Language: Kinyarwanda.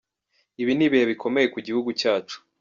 Ibi ni ibihe bikomeye ku gihugu cyacu.